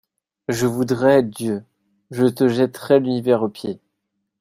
Je voudrais être Dieu, je te jetterais l'univers aux pieds.